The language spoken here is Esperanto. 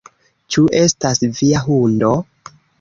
Ĉu estas via hundo?